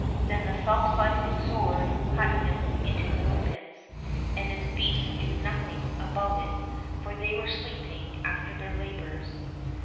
" Then the self slicing sword cut him into little bits, and his beasts knew nothing about it, for they were sleeping after their labours.